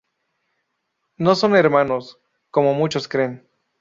No son hermanos, como muchos creen.